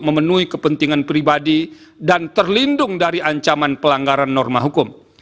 memenuhi kepentingan pribadi dan terlindung dari ancaman pelanggaran norma hukum